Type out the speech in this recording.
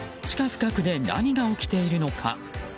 地下深くで何が起きているのか。